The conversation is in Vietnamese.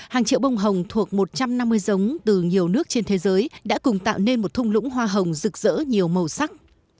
hàng triệu bông hồng thuộc một trăm năm mươi giống từ nhiều nước trên thế giới đã cùng tạo nên một thung lũng hoa hồng rực rỡ nhiều màu sắc